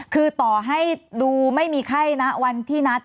คือต่อให้ดูไม่มีไข้นะวันที่นัด